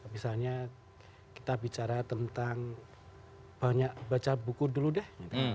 misalnya kita bicara tentang banyak baca buku dulu deh